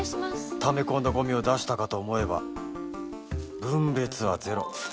ため込んだゴミを出したかと思えば分別はゼロ。